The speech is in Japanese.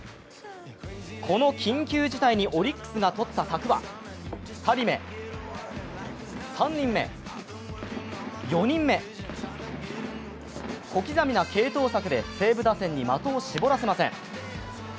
この緊急事態にオリックスが取ったのは２人目、３人目、４人目、小刻みな継投策で西武打線に的をしぼらせません。